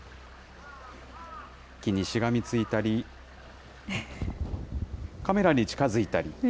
木にしがみついたり、カメラに近づいたり。